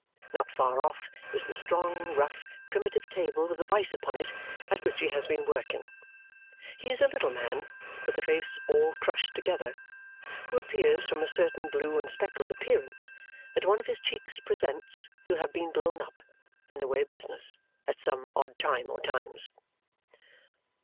Not far off is the strong, rough, primitive table with a vice upon it at which he has been working. He is a little man with a face all crushed together, who appears, from a certain blue and speckled appearance that one of his cheeks presents, to have been blown up, in the way of business, at some odd time or times.